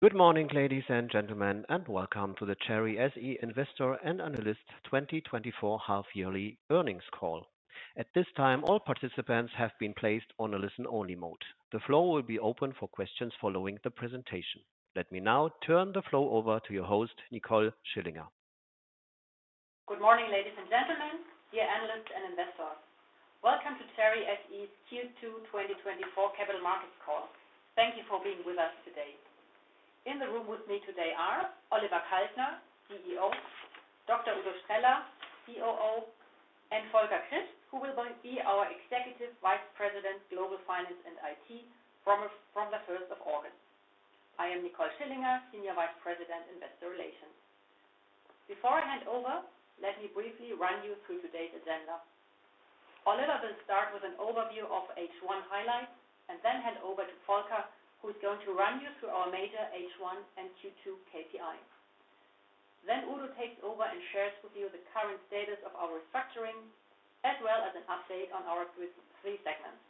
Good morning, ladies and gentlemen, and welcome to the Cherry SE Investor and Analyst 2024 Half-Yearly Earnings Call. At this time, all participants have been placed on a listen-only mode. The floor will be open for questions following the presentation. Let me now turn the floor over to your host, Nicole Schillinger. Good morning, ladies and gentlemen, dear analysts and investors. Welcome to Cherry SE Q2 2024 Capital Markets Call. Thank you for being with us today. In the room with me today are Oliver Kaltner, CEO, Dr. Udo Streller, COO, and Volker Christ, who will be our Executive Vice President, Global Finance and IT, from the first of August. I am Nicole Schillinger, Senior Vice President, Investor Relations. Before I hand over, let me briefly run you through today's agenda. Oliver will start with an overview of H1 highlights, and then hand over to Volker, who's going to run you through our major H1 and Q2 KPI. Then Udo takes over and shares with you the current status of our restructuring, as well as an update on our three segments.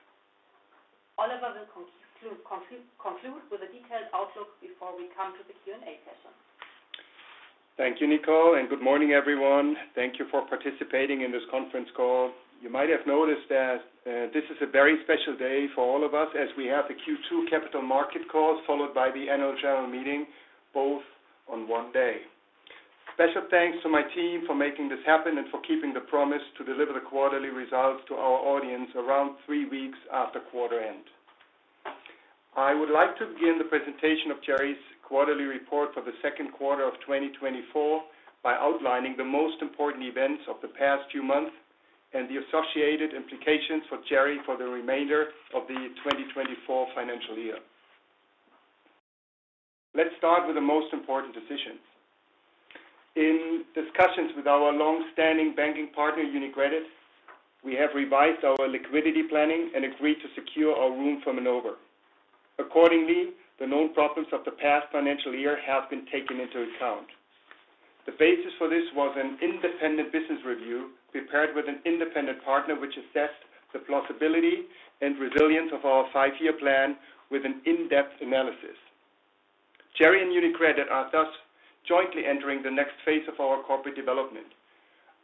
Oliver will conclude with a detailed outlook before we come to the Q&A session. Thank you, Nicole, and good morning, everyone. Thank you for participating in this conference call. You might have noticed that this is a very special day for all of us, as we have the Q2 capital market call, followed by the annual general meeting, both on one day. Special thanks to my team for making this happen and for keeping the promise to deliver the quarterly results to our audience around three weeks after quarter end. I would like to begin the presentation of Cherry's quarterly report for the second quarter of 2024 by outlining the most important events of the past few months and the associated implications for Cherry for the remainder of the 2024 financial year. Let's start with the most important decisions. In discussions with our long-standing banking partner, UniCredit, we have revised our liquidity planning and agreed to secure our room for maneuver. Accordingly, the known problems of the past financial year have been taken into account. The basis for this was an independent business review, prepared with an independent partner, which assessed the plausibility and resilience of our five-year plan with an in-depth analysis. Cherry and UniCredit are thus jointly entering the next phase of our corporate development.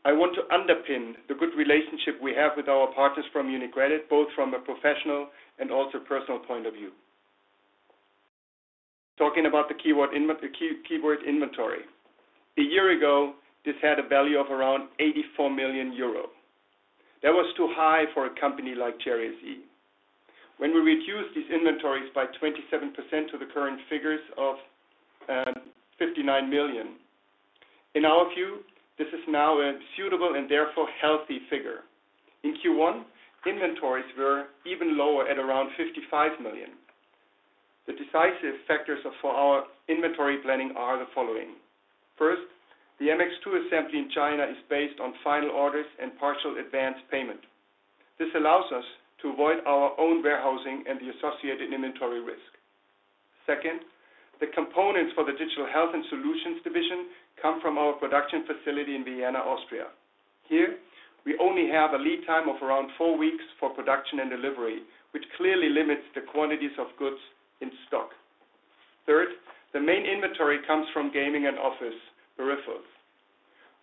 I want to underpin the good relationship we have with our partners from UniCredit, both from a professional and also personal point of view. Talking about the keyword inventory. A year ago, this had a value of around 84 million euro. That was too high for a company like Cherry SE. When we reduced these inventories by 27% to the current figures of 59 million. In our view, this is now a suitable and therefore healthy figure. In Q1, inventories were even lower, at around 55 million. The decisive factors for our inventory planning are the following: First, the MX2 assembly in China is based on final orders and partial advanced payment. This allows us to avoid our own warehousing and the associated inventory risk. Second, the components for the Digital Health and Solutions division come from our production facility in Vienna, Austria. Here, we only have a lead time of around 4 weeks for production and delivery, which clearly limits the quantities of goods in stock. Third, the main inventory comes from Gaming and Office Peripherals.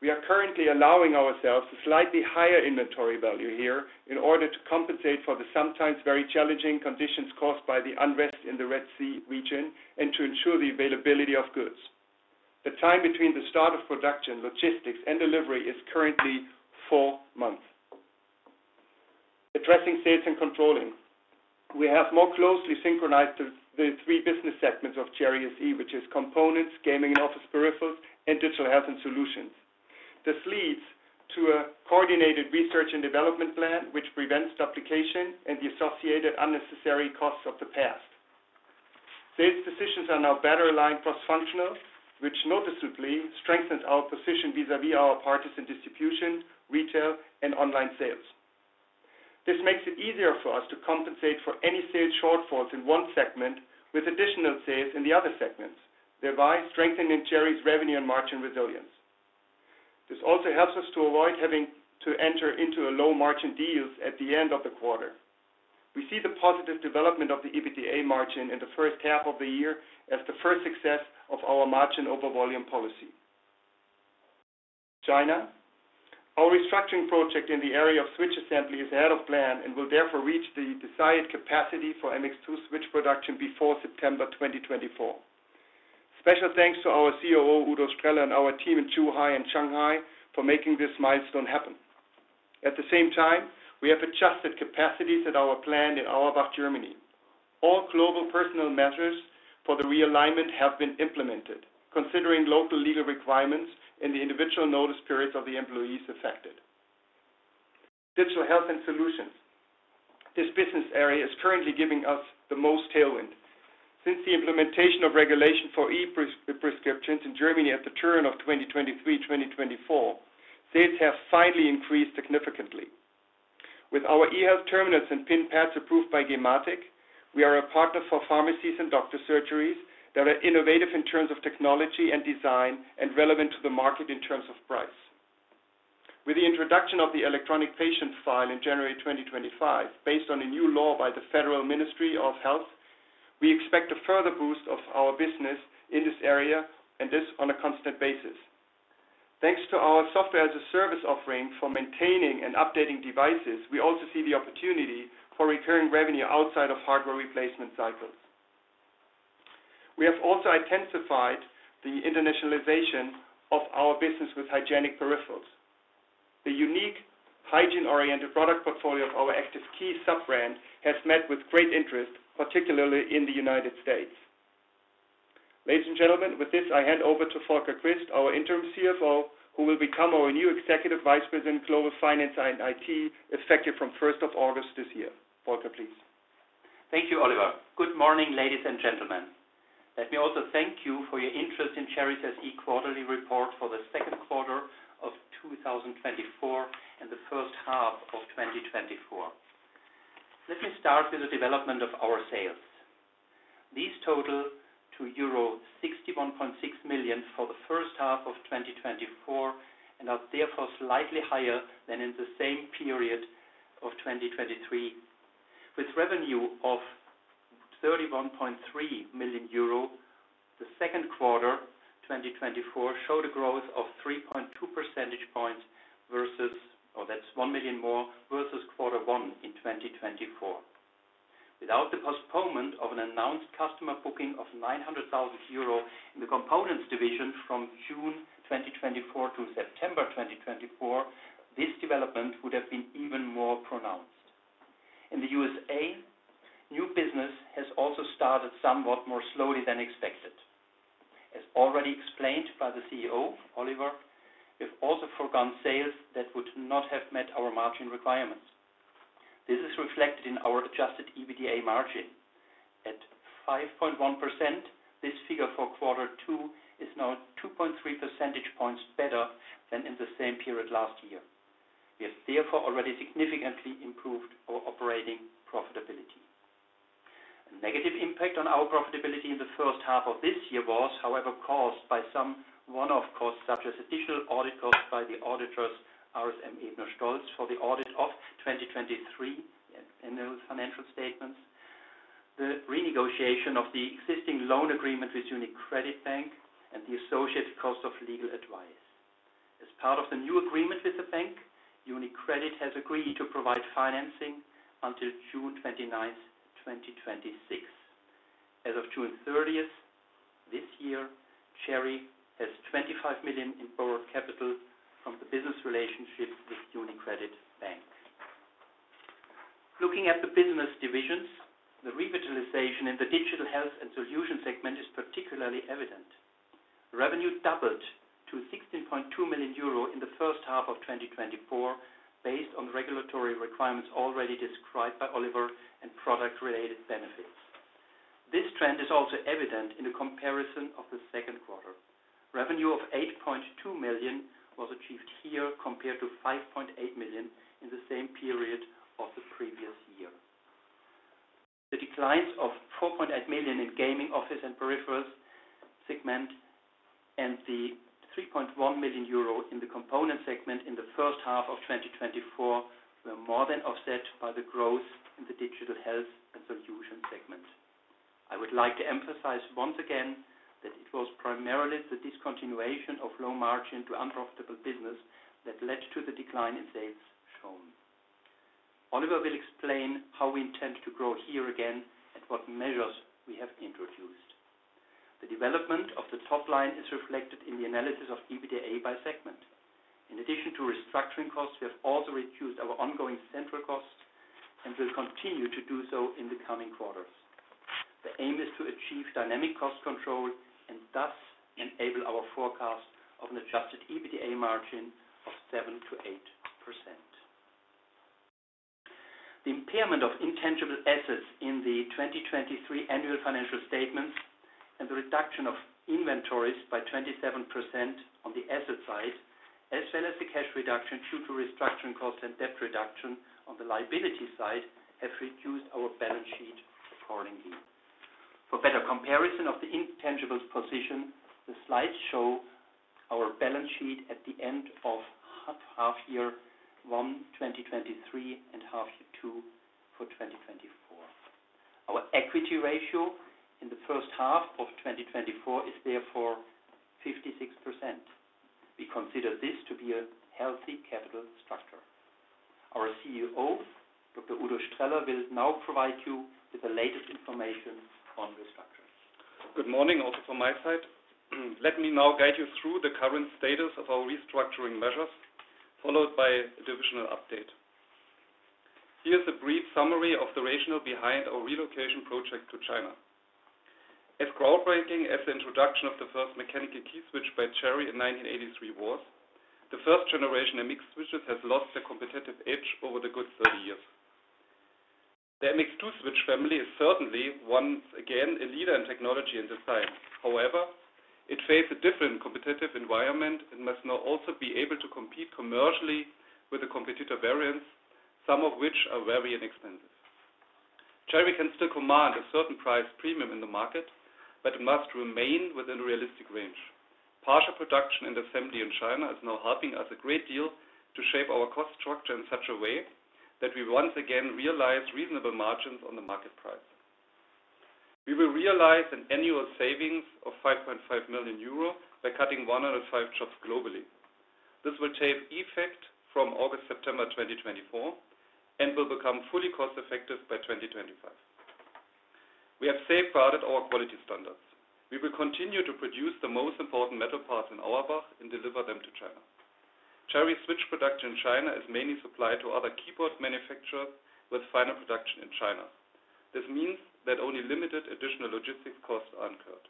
We are currently allowing ourselves a slightly higher inventory value here in order to compensate for the sometimes very challenging conditions caused by the unrest in the Red Sea region and to ensure the availability of goods. The time between the start of production, logistics, and delivery is currently 4 months. Addressing sales and controlling. We have more closely synchronized the three business segments of Cherry SE, which is components, Gaming and Office Peripherals, and Digital Health and Solutions. This leads to a coordinated research and development plan, which prevents duplication and the associated unnecessary costs of the past. Sales decisions are now better aligned cross-functional, which noticeably strengthens our position vis-à-vis our partners in distribution, retail, and online sales. This makes it easier for us to compensate for any sales shortfalls in one segment with additional sales in the other segments, thereby strengthening Cherry's revenue and margin resilience. This also helps us to avoid having to enter into a low-margin deals at the end of the quarter. We see the positive development of the EBITDA margin in the first half of the year as the first success of our margin over volume policy. China. Our restructuring project in the area of switch assembly is ahead of plan and will therefore reach the desired capacity for MX2 switch production before September 2024. Special thanks to our COO, Udo Streller, and our team in Zhuhai and Shanghai for making this milestone happen. At the same time, we have adjusted capacities at our plant in Auerbach, Germany. All global personal measures for the realignment have been implemented, considering local legal requirements and the individual notice periods of the employees affected. Digital Health and Solutions. This business area is currently giving us the most tailwind. Since the implementation of regulation for e-prescriptions in Germany at the turn of 2023/2024, sales have slightly increased significantly. With our eHealth terminals and PIN pads approved by gematik, we are a partner for pharmacies and doctor surgeries that are innovative in terms of technology and design, and relevant to the market in terms of price. With the introduction of the electronic patient file in January 2025, based on a new law by the Federal Ministry of Health, we expect a further boost of our business in this area, and this on a constant basis. Thanks to our software as a service offering for maintaining and updating devices, we also see the opportunity for recurring revenue outside of hardware replacement cycles. We have also intensified the internationalization of our business with hygienic peripherals. The unique hygiene-oriented product portfolio of our Active Key sub-brand has met with great interest, particularly in the United States. Ladies and gentlemen, with this, I hand over to Volker Christ, our Interim CFO, who will become our new Executive Vice President, Global Finance and IT, effective from first of August this year. Volker, please. Thank you, Oliver. Good morning, ladies and gentlemen. Let me also thank you for your interest in Cherry's interim quarterly report for the second quarter of 2024, and the first half of 2024. Let me start with the development of our sales. These total euro 61.6 million for the first half of 2024, and are therefore slightly higher than in the same period of 2023. With revenue of 31.3 million euro, the second quarter 2024 showed a growth of 3.2 percentage points versus. Oh, that's 1 million more, versus quarter one in 2024. Without the postponement of an announced customer booking of 900,000 euro in the components division from June 2024 to September 2024, this development would have been even more pronounced. In the USA, new business has also started somewhat more slowly than expected. As already explained by the CEO, Oliver, we've also foregone sales that would not have met our margin requirements. This is reflected in our adjusted EBITDA margin. At 5.1%, this figure for quarter two is now 2.3 percentage points better than in the same period last year. We have therefore already significantly improved our operating profitability. A negative impact on our profitability in the first half of this year was, however, caused by some one-off costs, such as additional audit costs by the auditors, RSM Ebner Stolz, for the audit of 2023 annual financial statements, the renegotiation of the existing loan agreement with UniCredit Bank, and the associated cost of legal advice. As part of the new agreement with the bank, UniCredit has agreed to provide financing until June 29, 2026. As of June 30, this year, Cherry has 25 million in borrowed capital from the business relationship with UniCredit Bank. Looking at the business divisions, the revitalization in the digital health and solution segment is particularly evident. Revenue doubled to 16.2 million euro in the first half of 2024, based on regulatory requirements already described by Oliver and product-related benefits. This trend is also evident in a comparison of the second quarter. Revenue of 8.2 million was achieved here, compared to 5.8 million in the same period of the previous year. The declines of 4.8 million in gaming, office, and peripherals segment, and the 3.1 million euro in the component segment in the first half of 2024, were more than offset by the growth in the digital health and solution segment. I would like to emphasize once again, that it was primarily the discontinuation of low margin to unprofitable business, that led to the decline in sales shown. Oliver will explain how we intend to grow here again and what measures we have introduced. The development of the top line is reflected in the analysis of EBITDA by segment. In addition to restructuring costs, we have also reduced our ongoing central costs and will continue to do so in the coming quarters. The aim is to achieve dynamic cost control, and thus enable our forecast of an adjusted EBITDA margin of 7%-8%. The impairment of intangible assets in the 2023 annual financial statements, and the reduction of inventories by 27% on the asset side, as well as the cash reduction due to restructuring costs and debt reduction on the liability side, have reduced our balance sheet accordingly. For better comparison of the intangibles position, the slides show our balance sheet at the end of half year 1, 2023, and half year 2 for 2024. Our equity ratio in the first half of 2024 is therefore 56%. We consider this to be a healthy capital structure. Our CEO, Dr. Udo Streller, will now provide you with the latest information on the structure. Good morning, also from my side. Let me now guide you through the current status of our restructuring measures, followed by a divisional update. Here's a brief summary of the rationale behind our relocation project to China. As groundbreaking as the introduction of the first mechanical key switch by Cherry in 1983 was, the first generation of MX switches has lost their competitive edge over the good 30 years. The MX2 switch family is certainly, once again, a leader in technology and design. However, it faces a different competitive environment, and must now also be able to compete commercially with the competitor variants, some of which are very inexpensive. Cherry can still command a certain price premium in the market, but it must remain within a realistic range. Partial production and assembly in China is now helping us a great deal to shape our cost structure in such a way that we once again realize reasonable margins on the market price. We will realize an annual savings of 5.5 million euro by cutting 105 jobs globally. This will take effect from August, September 2024, and will become fully cost-effective by 2025. We have safeguarded our quality standards. We will continue to produce the most important metal parts in Auerbach and deliver them to China. Cherry switch production in China is mainly supplied to other keyboard manufacturers with final production in China. This means that only limited additional logistics costs are incurred.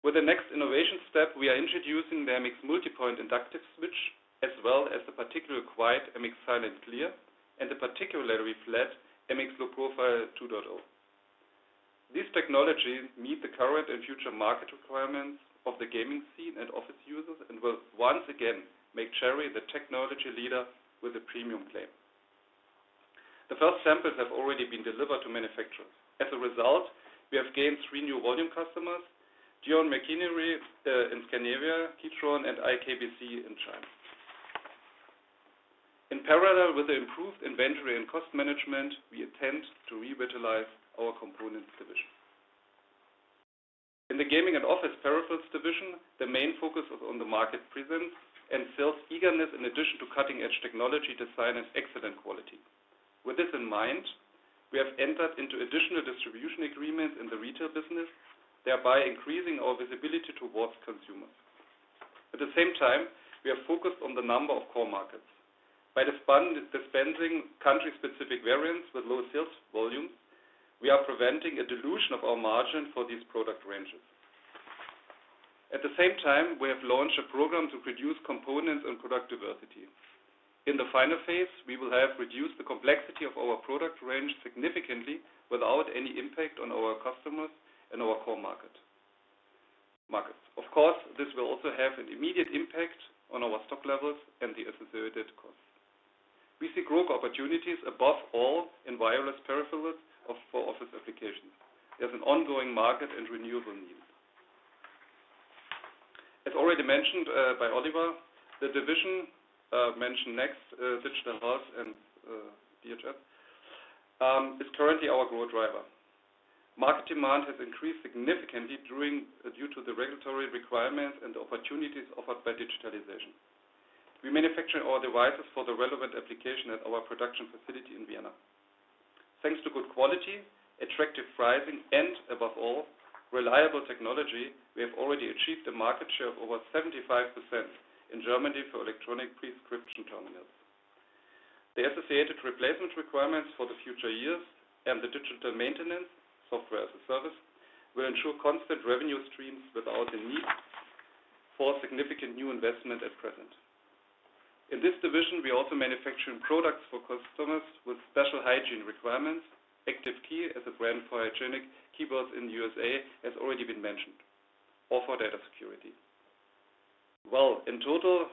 With the next innovation step, we are introducing the MX Multipoint Inductive switch, as well as the particular quiet MX Silent Clear, and the particularly flat MX Low Profile 2.0. These technologies meet the current and future market requirements of the gaming scene and office users, and will once again make Cherry the technology leader with a premium claim. The first samples have already been delivered to manufacturers. As a result, we have gained three new volume customers, Geon Machinery in Scandinavia, Keychron, and iKBC in China. In parallel with the improved inventory and cost management, we intend to revitalize our components division. In the Gaming and Office Peripherals division, the main focus is on the market presence and sales eagerness, in addition to cutting-edge technology, design, and excellent quality. With this in mind, we have entered into additional distribution agreements in the retail business, thereby increasing our visibility towards consumers. At the same time, we are focused on the number of core markets. By dispensing country-specific variants with low sales volume, we are preventing a dilution of our margin for these product ranges. At the same time, we have launched a program to reduce components and product diversity. In the final phase, we will have reduced the complexity of our product range significantly without any impact on our customers and our core markets. Of course, this will also have an immediate impact on our stock levels and the associated costs. We see growth opportunities above all in wireless peripherals for office applications. There's an ongoing market and renewable need. As already mentioned, by Oliver, the division, mentioned next, Digital Health and DH&S, is currently our growth driver. Market demand has increased significantly due to the regulatory requirements and opportunities offered by digitalization. We manufacture all devices for the relevant application at our production facility in Vienna. Thanks to good quality, attractive pricing, and above all, reliable technology, we have already achieved a market share of over 75% in Germany for eHealth terminals. The associated replacement requirements for the future years and the digital maintenance software as a service, will ensure constant revenue streams without the need for significant new investment at present. In this division, we also manufacture products for customers with special hygiene requirements. Active Key, as a brand for hygienic keyboards in the USA, has already been mentioned, or for data security. Well, in total,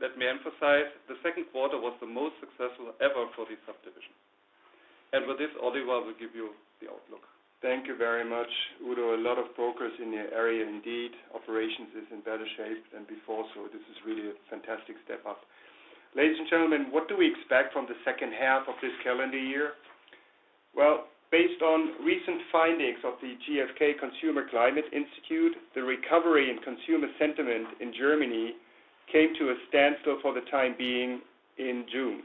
let me emphasize, the second quarter was the most successful ever for this subdivision. With this, Oliver will give you the outlook. Thank you very much, Udo. A lot of progress in your area, indeed. Operations is in better shape than before, so this is really a fantastic step up. Ladies and gentlemen, what do we expect from the second half of this calendar year? Well, based on recent findings of the GfK Consumer Climate Institute, the recovery in consumer sentiment in Germany came to a standstill for the time being in June.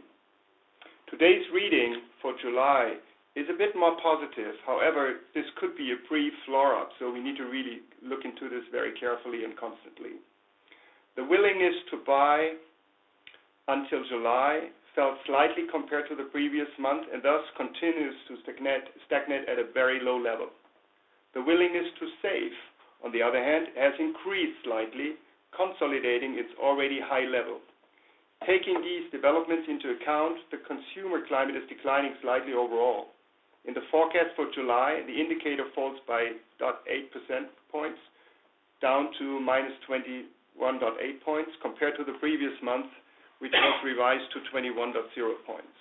Today's reading for July is a bit more positive. However, this could be a pre-floor up, so we need to really look into this very carefully and constantly. The willingness to buy until July fell slightly compared to the previous month, and thus continues to stagnate at a very low level. The willingness to save, on the other hand, has increased slightly, consolidating its already high level. Taking these developments into account, the consumer climate is declining slightly overall. In the forecast for July, the indicator falls by 0.8 percentage points, down to minus 21.8 points, compared to the previous month, which was revised to 21.0 points.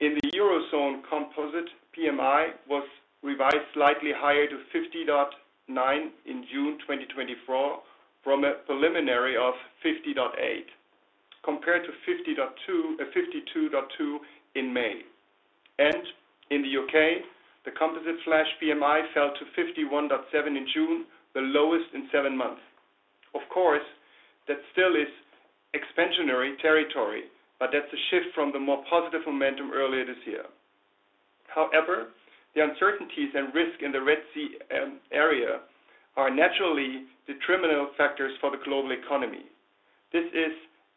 In the Eurozone, Composite PMI was revised slightly higher to 50.9 in June 2024, from a preliminary of 50.8, compared to 52.2 in May. In the U.K., the Composite PMI fell to 51.7 in June, the lowest in 7 months. Of course, that still is expansionary territory, but that's a shift from the more positive momentum earlier this year. However, the uncertainties and risk in the Red Sea area are naturally detrimental factors for the global economy. This is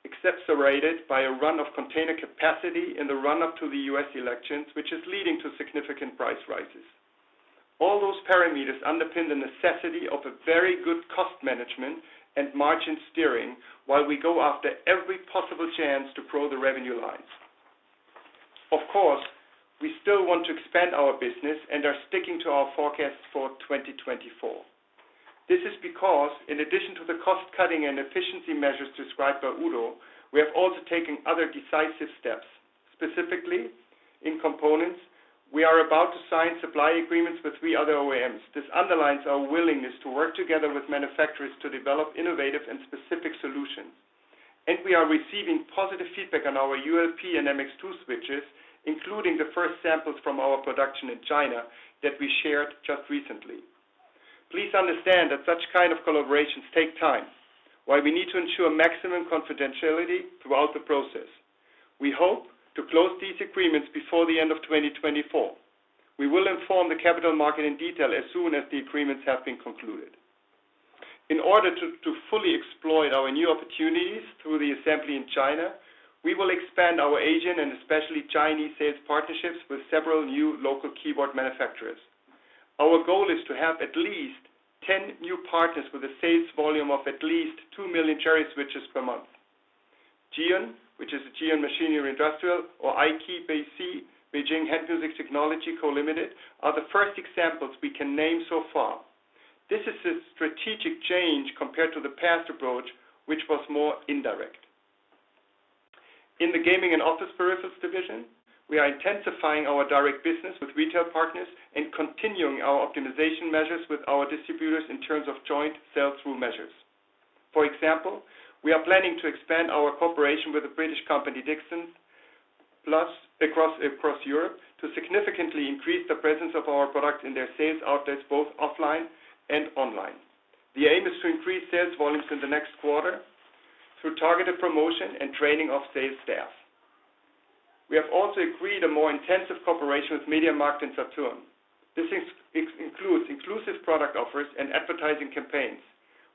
exacerbated by a run of container capacity in the run-up to the U.S. elections, which is leading to significant price rises. All those parameters underpin the necessity of a very good cost management and margin steering, while we go after every possible chance to grow the revenue lines. Of course, we still want to expand our business and are sticking to our forecasts for 2024. This is because in addition to the cost-cutting and efficiency measures described by Udo, we have also taken other decisive steps. Specifically, in components, we are about to sign supply agreements with three other OEMs. This underlines our willingness to work together with manufacturers to develop innovative and specific solutions. We are receiving positive feedback on our ULP and MX2 switches, including the first samples from our production in China that we shared just recently. Please understand that such kind of collaborations take time, while we need to ensure maximum confidentiality throughout the process. We hope to close these agreements before the end of 2024. We will inform the capital market in detail as soon as the agreements have been concluded. In order to fully exploit our new opportunities through the assembly in China, we will expand our Asian and especially Chinese sales partnerships with several new local keyboard manufacturers. Our goal is to have at least 10 new partners with a sales volume of at least 2 million Cherry switches per month. Geon, which is a Geon Machinery Industrial, or iKBC, Beijing Handmusic Technology Co. Ltd., are the first examples we can name so far. This is a strategic change compared to the past approach, which was more indirect. In the gaming and office services division, we are intensifying our direct business with retail partners and continuing our optimization measures with our distributors in terms of joint sell-through measures. For example, we are planning to expand our cooperation with the British company, Dixons, plus across Europe, to significantly increase the presence of our products in their sales outlets, both offline and online. The aim is to increase sales volumes in the next quarter through targeted promotion and training of sales staff. We have also agreed a more intensive cooperation with MediaMarkt and Saturn. This includes exclusive product offers and advertising campaigns.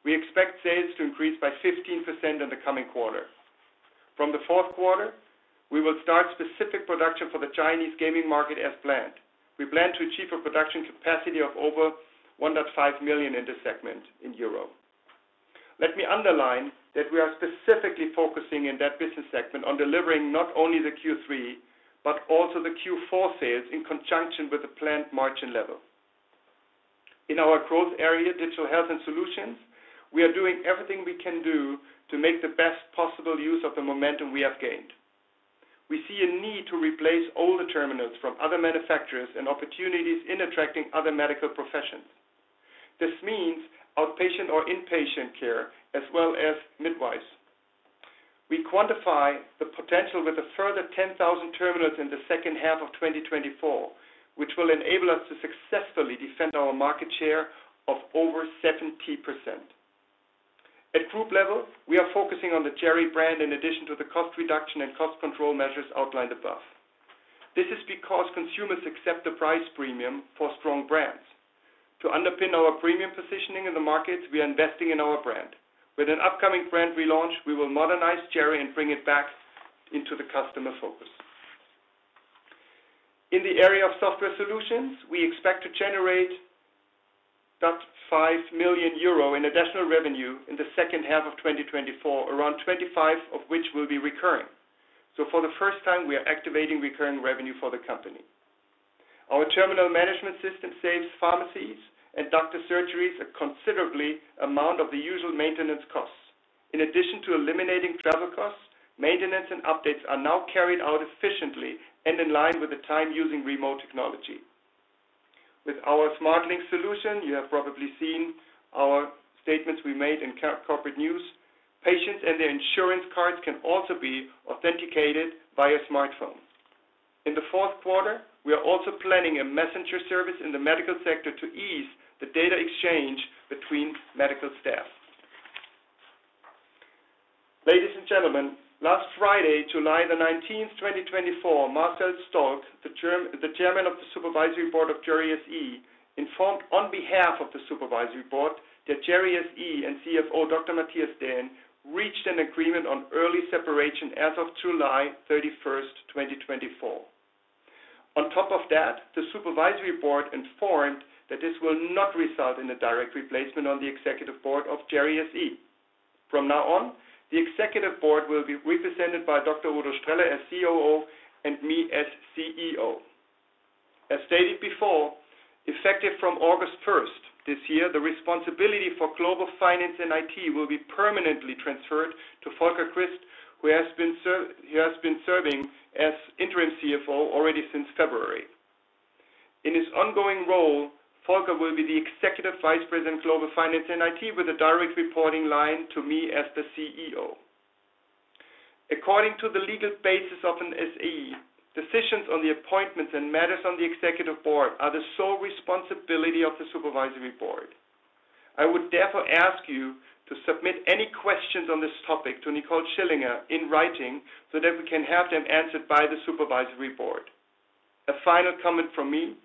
We expect sales to increase by 15% in the coming quarter. From the fourth quarter, we will start specific production for the Chinese gaming market as planned. We plan to achieve a production capacity of over 1.5 million in this segment. Let me underline that we are specifically focusing in that business segment on delivering not only the Q3, but also the Q4 sales, in conjunction with the planned margin level. In our growth area, Digital Health and Solutions, we are doing everything we can do to make the best possible use of the momentum we have gained. We see a need to replace all the terminals from other manufacturers and opportunities in attracting other medical professions. This means outpatient or inpatient care, as well as midwives. We quantify the potential with a further 10,000 terminals in the second half of 2024, which will enable us to successfully defend our market share of over 70%. At group level, we are focusing on the Cherry brand in addition to the cost reduction and cost control measures outlined above. This is because consumers accept the price premium for strong brands. To underpin our premium positioning in the market, we are investing in our brand. With an upcoming brand relaunch, we will modernize Cherry and bring it back into the customer focus. In the area of software solutions, we expect to generate 5 million euro in additional revenue in the second half of 2024, around 25% of which will be recurring. So for the first time, we are activating recurring revenue for the company. Our terminal management system saves pharmacies and doctor surgeries a considerable amount of the usual maintenance costs. In addition to eliminating travel costs, maintenance and updates are now carried out efficiently and in line with the time using remote technology. With our SmartLink solution, you have probably seen our statements we made in corporate news. Patients and their insurance cards can also be authenticated via smartphone. In the fourth quarter, we are also planning a messenger service in the medical sector to ease the data exchange between medical staff. Ladies and gentlemen, last Friday, July 19, 2024, Marcel Stolk, the Chairman of the Supervisory Board of Cherry SE, informed on behalf of the Supervisory Board that Cherry SE and CFO, Dr. Matthias Dehn, reached an agreement on early separation as of July 31, 2024. On top of that, the Supervisory Board informed that this will not result in a direct replacement on the Executive Board of Cherry SE. From now on, the Executive Board will be represented by Dr. Udo Streller as COO and me as CEO. As stated before, effective from August first this year, the responsibility for global finance and IT will be permanently transferred to Volker Christ, who has been serving as interim CFO already since February. In his ongoing role, Volker will be the Executive Vice President, Global Finance and IT, with a direct reporting line to me as the CEO. According to the legal basis of an SE, decisions on the appointments and matters on the executive board are the sole responsibility of the supervisory board. I would therefore ask you to submit any questions on this topic to Nicole Schillinger in writing, so that we can have them answered by the supervisory board. A final comment from me: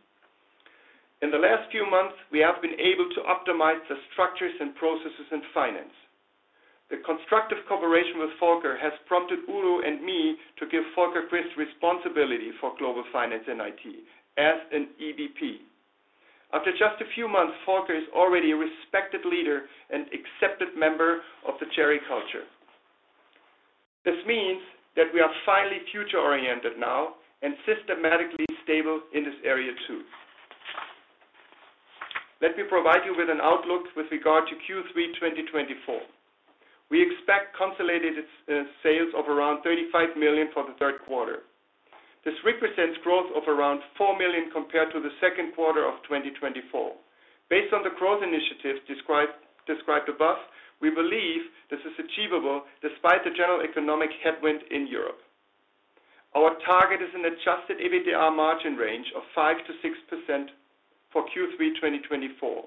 in the last few months, we have been able to optimize the structures and processes in finance. The constructive cooperation with Volker has prompted Udo and me to give Volker Christ responsibility for global finance and IT as an EVP. After just a few months, Volker is already a respected leader and accepted member of the Cherry culture. This means that we are finally future-oriented now and systematically stable in this area, too. Let me provide you with an outlook with regard to Q3 2024. We expect consolidated sales of around 35 million for the third quarter. This represents growth of around 4 million compared to the second quarter of 2024. Based on the growth initiatives described above, we believe this is achievable despite the general economic headwind in Europe. Our target is an adjusted EBITDA margin range of 5%-6% for Q3 2024.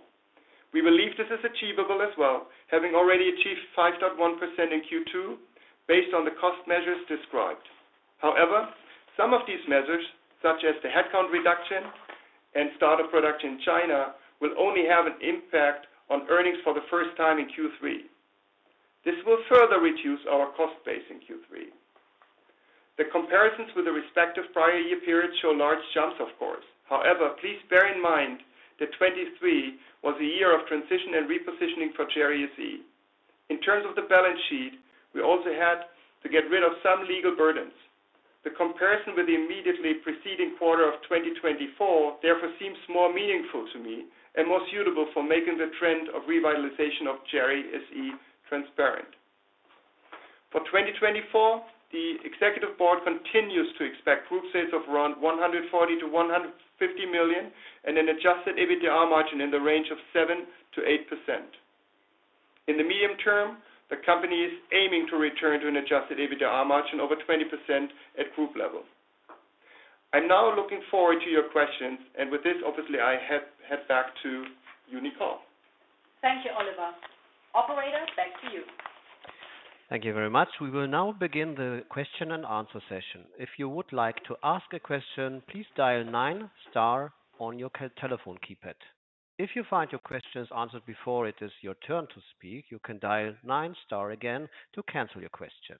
We believe this is achievable as well, having already achieved 5.1% in Q2, based on the cost measures described. However, some of these measures, such as the headcount reduction and start of production in China, will only have an impact on earnings for the first time in Q3. This will further reduce our cost base in Q3. The comparisons with the respective prior year period show large jumps, of course. However, please bear in mind that 2023 was a year of transition and repositioning for Cherry SE. In terms of the balance sheet, we also had to get rid of some legal burdens. The comparison with the immediately preceding quarter of 2024, therefore, seems more meaningful to me and more suitable for making the trend of revitalization of Cherry SE transparent. For 2024, the executive board continues to expect group sales of around 140 million-150 million, and an adjusted EBITDA margin in the range of 7%-8%. In the medium term, the company is aiming to return to an adjusted EBITDA margin over 20% at group level. I'm now looking forward to your questions, and with this, obviously, I hand back to Nicole. Thank you, Oliver. Operator, back to you. Thank you very much. We will now begin the question and answer session. If you would like to ask a question, please dial nine star on your telephone keypad. If you find your questions answered before it is your turn to speak, you can dial nine star again to cancel your question.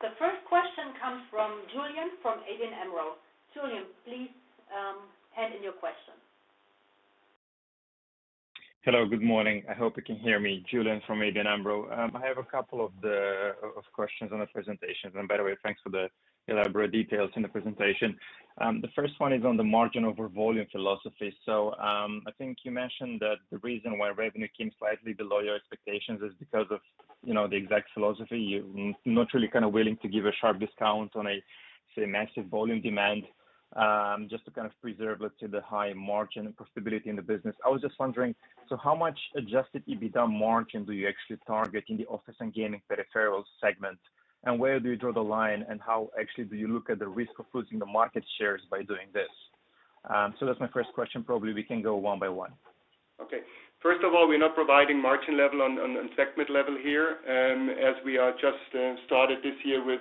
The first question comes from Julian, from ABN AMRO. Julian, please, hand in your question. Hello, good morning. I hope you can hear me. Julian, from ABN AMRO. I have a couple of questions on the presentation. And by the way, thanks for the elaborate details in the presentation. The first one is on the margin over volume philosophy. So, I think you mentioned that the reason why revenue came slightly below your expectations is because of, you know, the exact philosophy. You're not really kind of willing to give a sharp discount on a, say, massive volume demand, just to kind of preserve, let's say, the high margin profitability in the business. I was just wondering, so how much adjusted EBITDA margin do you actually target in the Office and Gaming Peripherals segment? And where do you draw the line, and how actually do you look at the risk of losing the market shares by doing this? That's my first question. Probably, we can go one by one. Okay. First of all, we're not providing margin level on a segment level here, as we are just started this year with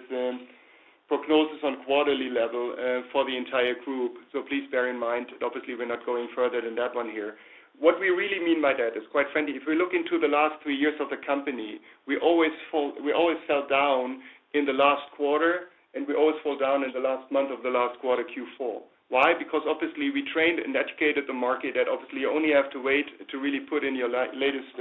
prognosis on quarterly level for the entire group. So please bear in mind, obviously, we're not going further than that one here. What we really mean by that is, quite frankly, if we look into the last three years of the company, we always fell down in the last quarter, and we always fall down in the last month of the last quarter, Q4. Why? Because obviously, we trained and educated the market that obviously you only have to wait to really put in your latest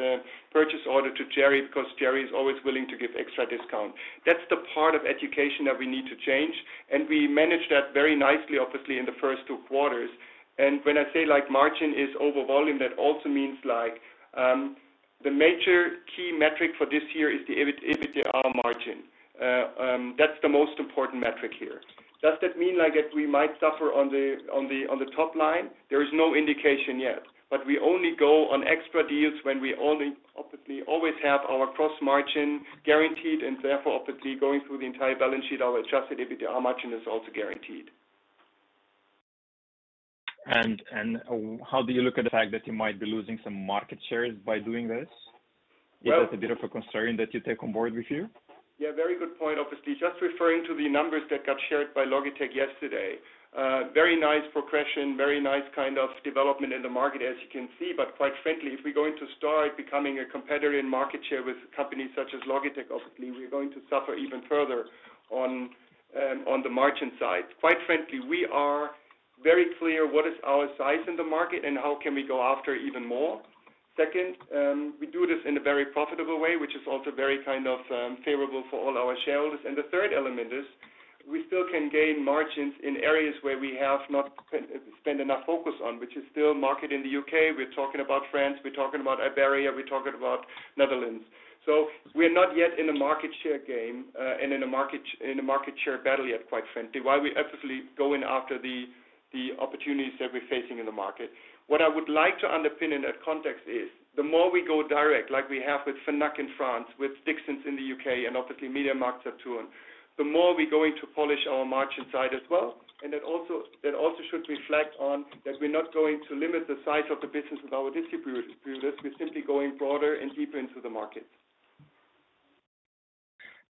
purchase order to Cherry, because Cherry is always willing to give extra discount. That's the part of education that we need to change, and we managed that very nicely, obviously, in the first two quarters. And when I say, like, margin is over volume, that also means, like, the major key metric for this year is the EBIT, EBITDA margin. That's the most important metric here. Does that mean, like, that we might suffer on the top line? There is no indication yet, but we only go on extra deals when we only, obviously, always have our cross margin guaranteed, and therefore, obviously, going through the entire balance sheet, our adjusted EBITDA margin is also guaranteed. How do you look at the fact that you might be losing some market shares by doing this? Is it a bit of a concern that you take on board with you? Yeah, very good point. Obviously, just referring to the numbers that got shared by Logitech yesterday. Very nice progression, very nice kind of development in the market, as you can see. But quite frankly, if we're going to start becoming a competitor in market share with companies such as Logitech, obviously, we're going to suffer even further on the margin side. Quite frankly, we are very clear what is our size in the market and how can we go after even more. Second, we do this in a very profitable way, which is also very kind of favorable for all our shareholders. And the third element is, we still can gain margins in areas where we have not spent enough focus on, which is still market in the UK. We're talking about France, we're talking about Iberia, we're talking about Netherlands. So we are not yet in a market share game and in a market share battle yet, quite frankly, while we absolutely going after the, the opportunities that we're facing in the market. What I would like to underpin in that context is, the more we go direct, like we have with Fnac in France, with Dixons in the UK, and obviously MediaMarktSaturn, the more we're going to polish our margin side as well. That also should reflect on that we're not going to limit the size of the business with our distributors. We're simply going broader and deeper into the markets.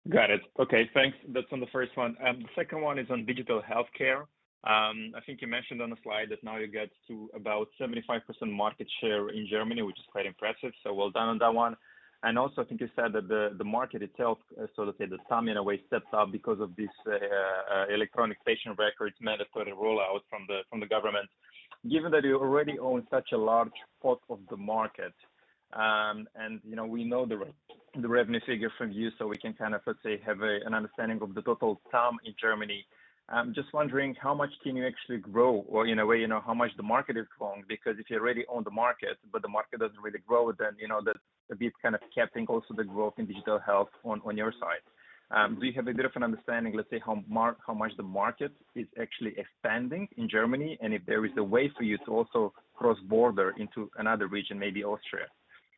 Got it. Okay, thanks. That's on the first one. The second one is on digital healthcare. I think you mentioned on the slide that now you get to about 75% market share in Germany, which is quite impressive. So well done on that one. Also, I think you said that the, the market itself, so let's say, the sum in a way, steps up because of this, electronic patient records mandatory rollout from the, from the government. Given that you already own such a large part of the market, and, you know, we know the the revenue figure from you, so we can kind of, let's say, have a, an understanding of the total sum in Germany. Just wondering how much can you actually grow, or in a way, you know, how much the market is growing because if you already own the market, but the market doesn't really grow, then, you know, that's a bit kind of capping also the growth in digital health on your side. Do you have a bit of an understanding, let's say, how much the market is actually expanding in Germany, and if there is a way for you to also cross border into another region, maybe Austria?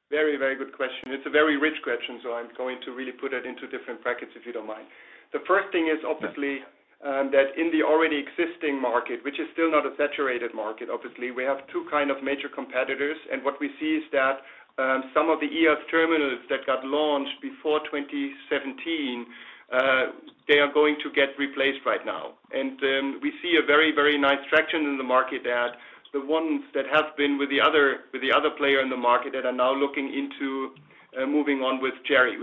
Very, very good question. It's a very rich question, so I'm going to really put it into different brackets, if you don't mind. The first thing is obviously that in the already existing market, which is still not a saturated market, obviously, we have two kind of major competitors, and what we see is that some of the eHealth terminals that got launched before 2017, they are going to get replaced right now. We see a very, very nice traction in the market, that the ones that have been with the other, with the other player in the market, that are now looking into moving on with Cherry,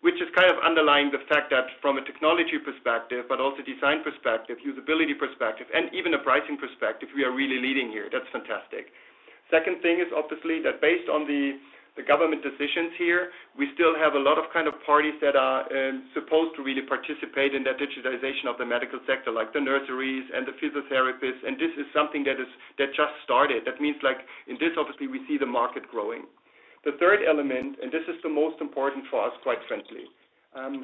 which is kind of underlying the fact that from a technology perspective, but also design perspective, usability perspective, and even a pricing perspective, we are really leading here. That's fantastic. Second thing is obviously that based on the government decisions here, we still have a lot of kind of parties that are supposed to really participate in that digitization of the medical sector, like the nurses and the physiotherapists, and this is something that just started. That means, like, in this, obviously, we see the market growing. The third element, and this is the most important for us, quite frankly,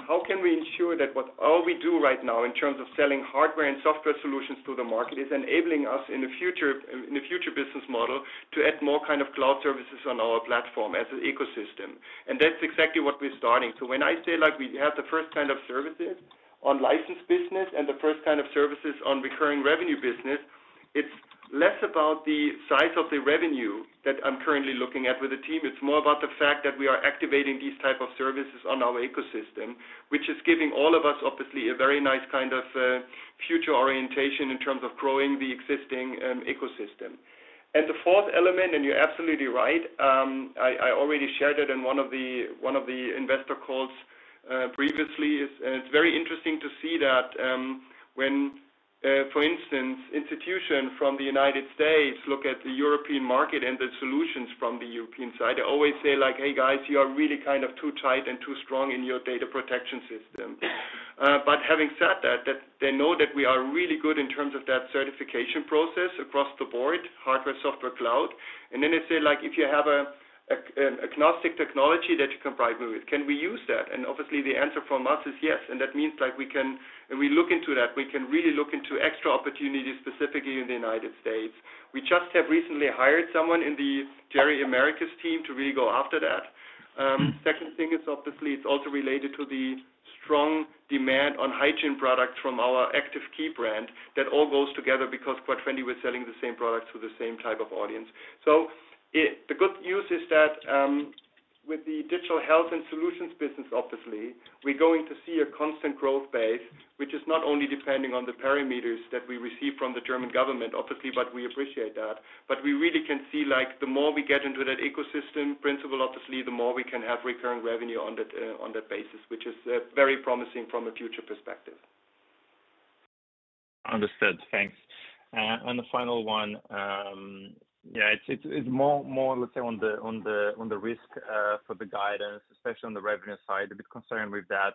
how can we ensure that what all we do right now in terms of selling hardware and software solutions to the market is enabling us in the future, in the future business model, to add more kind of cloud services on our platform as an ecosystem? That's exactly what we're starting. So when I say, like, we have the first kind of services on licensed business and the first kind of services on recurring revenue business, it's less about the size of the revenue that I'm currently looking at with the team, it's more about the fact that we are activating these type of services on our ecosystem, which is giving all of us, obviously, a very nice kind of, future orientation in terms of growing the existing ecosystem. The fourth element, and you're absolutely right, I already shared it in one of the investor calls, previously. And it's very interesting to see that, when, for instance, institutions from the United States look at the European market and the solutions from the European side, they always say, like, "Hey, guys, you are really kind of too tight and too strong in your data protection system." But having said that, they know that we are really good in terms of that certification process across the board, hardware, software, cloud. Then they say, like, "If you have a, an agnostic technology that you can provide me with, can we use that?" And obviously, the answer from us is yes. And that means, like, we can... And we look into that, we can really look into extra opportunities, specifically in the United States. We just have recently hired someone in the Cherry Americas team to really go after that. Second thing is obviously, it's also related to the strong demand on hygiene products from our Active Key brand. That all goes together because, quite frankly, we're selling the same products to the same type of audience. So the good news is that, with the Digital Health and Solutions business, obviously, we're going to see a constant growth base, which is not only depending on the parameters that we receive from the German government, obviously, but we appreciate that. But we really can see, like, the more we get into that ecosystem principle, obviously, the more we can have recurring revenue on that, on that basis, which is, very promising from a future perspective. Understood. Thanks. The final one, it's more, let's say, on the risk for the guidance, especially on the revenue side, a bit concerned with that.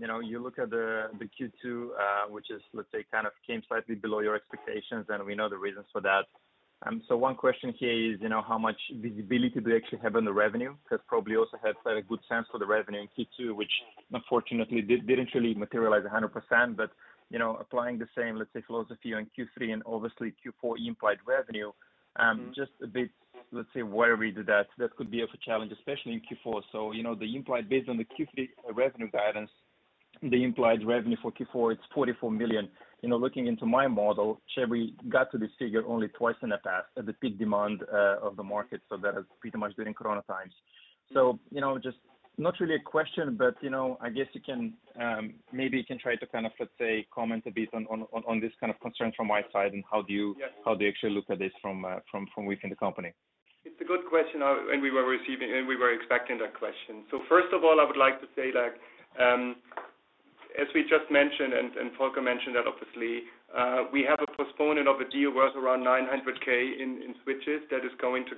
You know, you look at the Q2, which is, let's say, kind of came slightly below your expectations, and we know the reasons for that. So one question here is, you know, how much visibility do you actually have on the revenue? Because probably also had quite a good sense for the revenue in Q2, which unfortunately didn't really materialize 100%. But, you know, applying the same, let's say, philosophy on Q3 and obviously Q4 implied revenue, just a bit, let's say, wary to that, that could be of a challenge, especially in Q4. So, you know, the implied based on the Q3 revenue guidance, the implied revenue for Q4, it's 44 million. You know, looking into my model, Gerri, we got to this figure only twice in the past, at the peak demand of the market, so that is pretty much during corona times. You know, just not really a question, but, you know, I guess you can, maybe you can try to kind of, let's say, comment a bit on, on, on, this kind of concern from my side, and how do you actually look at this from within the company? It's a good question, and we were expecting that question. So first of all, I would like to say, like, as we just mentioned and Volker mentioned that obviously, we have a postponement of a deal worth around 900,000 in switches. That is going to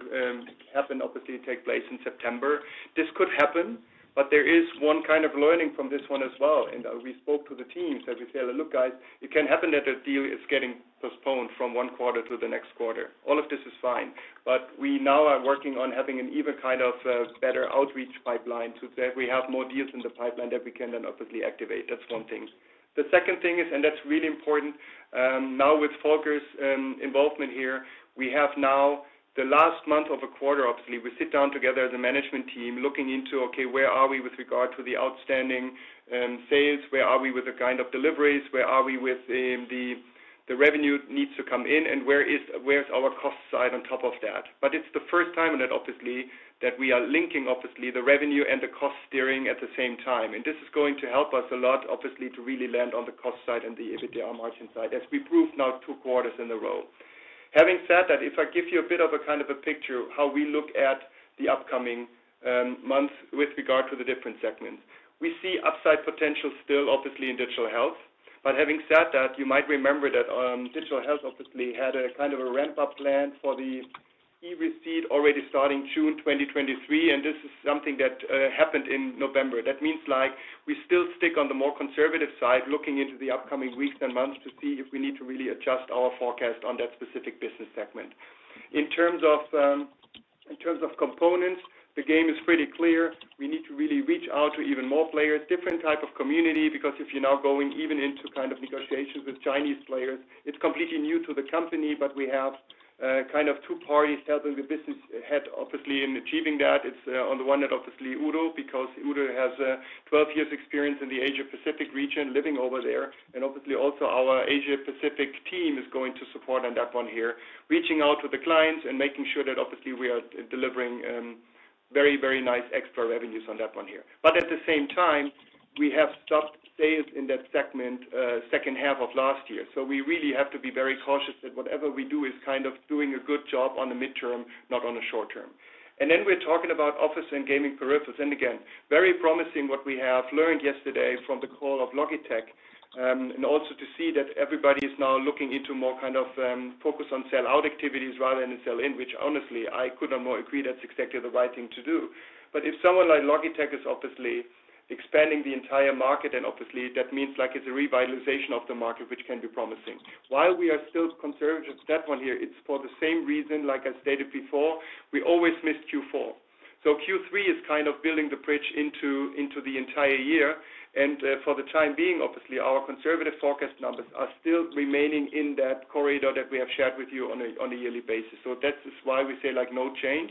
happen, obviously, take place in September. This could happen, but there is one kind of learning from this one as well, and we spoke to the teams, and we said, "Look, guys, it can happen that a deal is getting postponed from one quarter to the next quarter." All of this is fine, but we now are working on having an even kind of better outreach pipeline, so that we have more deals in the pipeline that we can then obviously activate. That's one thing. The second thing is, and that's really important, now with Volker's involvement here, we have now the last month of a quarter. Obviously, we sit down together as a management team, looking into okay, where are we with regard to the outstanding sales? Where are we with the kind of deliveries? Where are we with the revenue needs to come in, and where's our cost side on top of that? But it's the first time and that obviously, that we are linking, obviously, the revenue and the cost steering at the same time. And this is going to help us a lot, obviously, to really land on the cost side and the EBITDA margin side, as we prove now two quarters in a row. Having said that, if I give you a bit of a kind of a picture, how we look at the upcoming months with regard to the different segments. We see upside potential still, obviously, in Digital Health. But having said that, you might remember that, Digital Health obviously had a kind of a ramp-up plan for the eReceipt already starting June 2023, and this is something that happened in November. That means like, we still stick on the more conservative side, looking into the upcoming weeks and months, to see if we need to really adjust our forecast on that specific business segment. In terms of, in terms of components, the game is pretty clear. We need to really reach out to even more players, different type of community, because if you're now going even into kind of negotiations with Chinese players, it's completely new to the company. But we have kind of two parties helping the business ahead, obviously, in achieving that. It's on the one hand, obviously, Udo, because Udo has 12 years' experience in the Asia-Pacific region, living over there, and obviously also our Asia-Pacific team is going to support on that one here. Reaching out to the clients and making sure that obviously we are delivering very, very nice extra revenues on that one here. But at the same time, we have stopped sales in that segment second half of last year. So we really have to be very cautious that whatever we do is kind of doing a good job on the midterm, not on the short term. Then we're talking about office and gaming peripherals, and again, very promising what we have learned yesterday from the call of Logitech. Also to see that everybody is now looking into more kind of focus on sell-through activities rather than sell-in, which honestly, I could not agree more, that's exactly the right thing to do. But if someone like Logitech is obviously expanding the entire market, and obviously that means like it's a revitalization of the market, which can be promising. While we are still conservative to that one here, it's for the same reason, like I stated before, we always miss Q4. So Q3 is kind of building the bridge into the entire year, and for the time being, obviously, our conservative forecast numbers are still remaining in that corridor that we have shared with you on a yearly basis. So that is why we say, like, no change.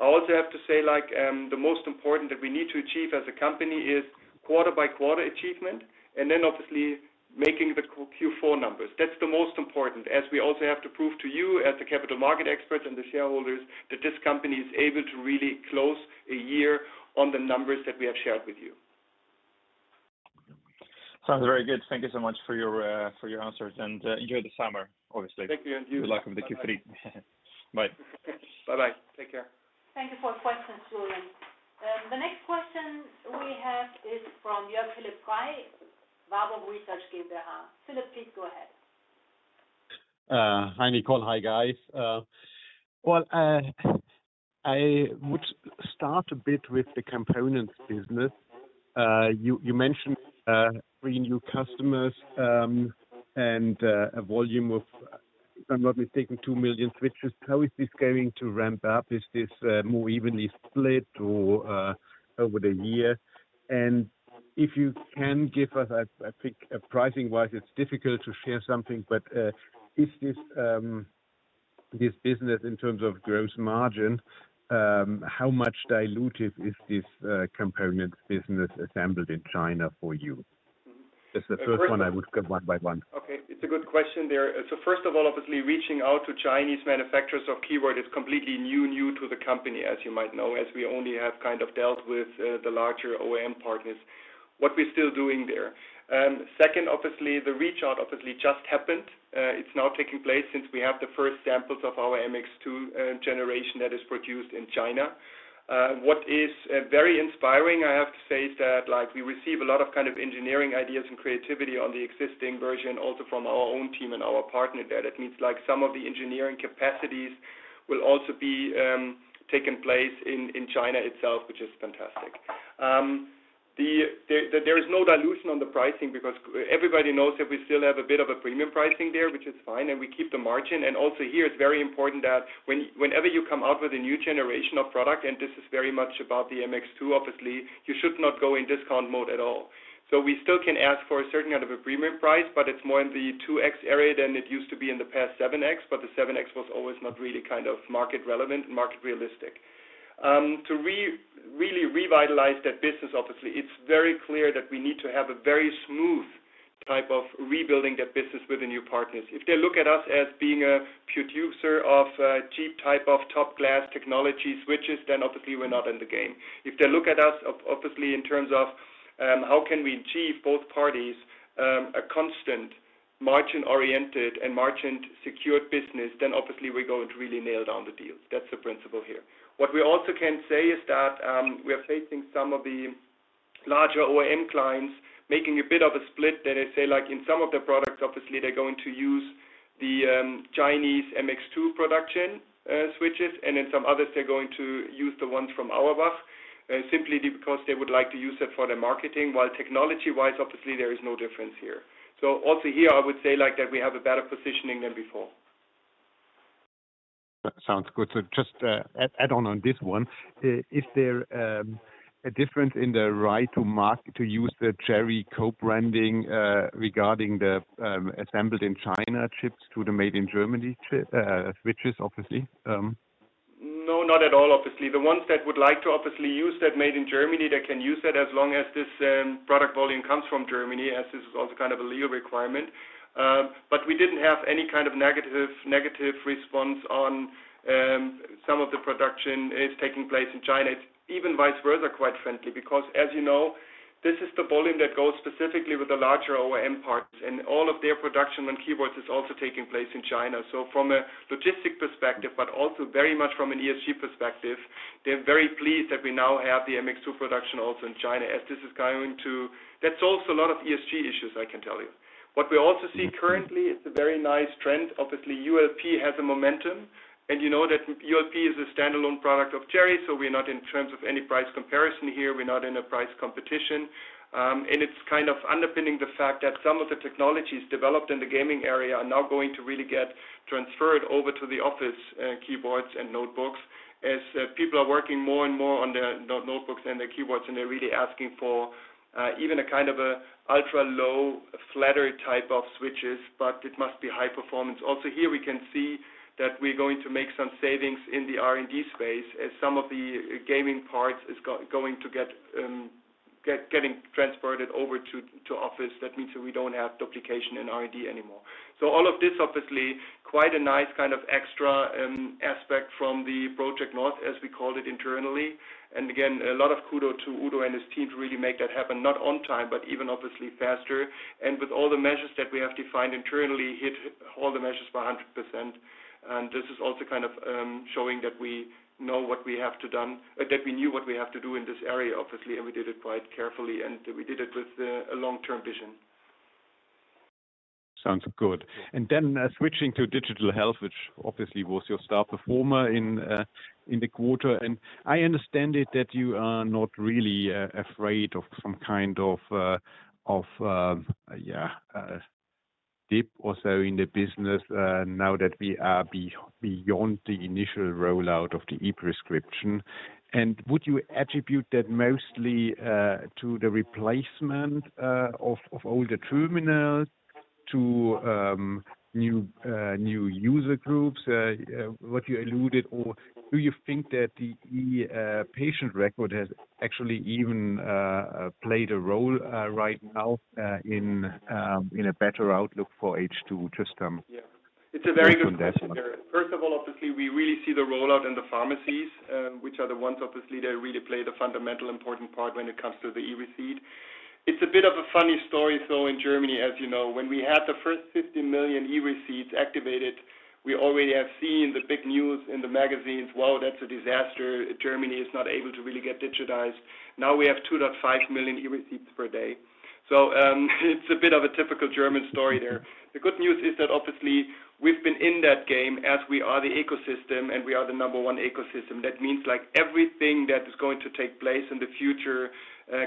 I also have to say, like, the most important that we need to achieve as a company is quarter-by-quarter achievement, and then obviously making the Q4 numbers. That's the most important, as we also have to prove to you, as the capital market experts and the shareholders, that this company is able to really close a year on the numbers that we have shared with you. Sounds very good. Thank you so much for your answers, and enjoy the summer, obviously. Thank you, and you. Good luck with the Q3. Bye. Bye-bye. Take care. Thank you for the question, Julian. The next question we have is from Jörg Philipp Kai, Warburg Research GmbH. Philipp, please go ahead. Hi, Nicole. Hi, guys. Well, I would start a bit with the components business. You mentioned three new customers, and a volume of, if I'm not mistaken, 2 million switches. How is this going to ramp up? Is this more evenly split or over the year? And if you can give us a, I think, pricing-wise, it's difficult to share something, but is this business in terms of gross margin, how much dilutive is this component business assembled in China for you? That's the first one I would go one by one. Okay, it's a good question there. So first of all, obviously, reaching out to Chinese manufacturers of keyboard is completely new, new to the company, as you might know, as we only have kind of dealt with the larger OEM partners. What we're still doing there? Second, obviously, the reach out obviously just happened. It's now taking place since we have the first samples of our MX2 generation that is produced in China. What is very inspiring, I have to say, is that like, we receive a lot of kind of engineering ideas and creativity on the existing version, also from our own team and our partner there. That means, like, some of the engineering capacities will also be taking place in China itself, which is fantastic. There is no dilution on the pricing because everybody knows that we still have a bit of a premium pricing there, which is fine, and we keep the margin. And also here, it's very important that whenever you come out with a new generation of product, and this is very much about the MX2, obviously, you should not go in discount mode at all. So we still can ask for a certain kind of a premium price, but it's more in the 2x area than it used to be in the past 7x, but the 7x was always not really kind of market relevant, market realistic. To really revitalize that business, obviously, it's very clear that we need to have a very smooth type of rebuilding that business with the new partners. If they look at us as being a producer of a cheap type of top-glass technology switches, then obviously we're not in the game. If they look at us obviously, in terms of, how can we achieve both parties, a constant margin-oriented and margin-secured business, then obviously we're going to really nail down the deal. That's the principle here. What we also can say is that, we are facing some of the larger OEM clients, making a bit of a split. That is, say, like in some of the products, obviously, they're going to use the, Chinese MX2 production, switches, and then some others, they're going to use the ones from Auerbach, simply because they would like to use it for their marketing, while technology-wise, obviously there is no difference here. Also here, I would say, like, that we have a better positioning than before. That sounds good. So just add on to this one. Is there a difference in the right to market to use the Cherry co-branding regarding the assembled in China switches to the made in Germany switches, obviously? No, not at all, obviously. The ones that would like to obviously use that made in Germany, they can use that as long as this, product volume comes from Germany, as this is also kind of a legal requirement. But we didn't have any kind of negative, negative response on, some of the production is taking place in China. It's even vice versa, quite frankly, because as you know—this is the volume that goes specifically with the larger OEM parts, and all of their production on keyboards is also taking place in China. So from a logistic perspective, but also very much from an ESG perspective, they're very pleased that we now have the MX2 production also in China, as this is going to—that's also a lot of ESG issues, I can tell you. What we also see currently, it's a very nice trend. Obviously, ULP has a momentum, and you know that ULP is a standalone product of Cherry, so we're not in terms of any price comparison here, we're not in a price competition. And it's kind of underpinning the fact that some of the technologies developed in the gaming area are now going to really get transferred over to the office keyboards and notebooks. As people are working more and more on their notebooks and their keyboards, and they're really asking for even a kind of a ultra-low, flatter type of switches, but it must be high performance. Also, here we can see that we're going to make some savings in the R&D space, as some of the gaming parts is going to get transferred over to office. That means that we don't have duplication in R&D anymore. So all of this, obviously, quite a nice kind of extra aspect from the Project North, as we call it internally. Again, a lot of kudos to Udo and his team to really make that happen, not on time, but even obviously faster. With all the measures that we have defined internally, hit all the measures by 100%. This is also kind of showing that we knew what we have to do in this area, obviously, and we did it quite carefully, and we did it with a long-term vision. Sounds good. And then, switching to digital health, which obviously was your star performer in the quarter, and I understand that you are not really afraid of some kind of dip or so in the business, now that we are beyond the initial rollout of the e-prescription. Would you attribute that mostly to the replacement of older terminals to new user groups, what you alluded, or do you think that the patient record has actually even played a role right now in a better outlook for H2? Just a very good investment. It's a very good question. First of all, obviously, we really see the rollout in the pharmacies, which are the ones, obviously, that really play the fundamental important part when it comes to the eReceipt. It's a bit of a funny story, though, in Germany, as you know, when we had the first 50 million eReceipts activated, we already have seen the big news in the magazines. "Well, that's a disaster. Germany is not able to really get digitized." Now, we have 2.5 million eReceipts per day. So, it's a bit of a typical German story there. The good news is that obviously, we've been in that game as we are the ecosystem, and we are the number one ecosystem. That means, like, everything that is going to take place in the future,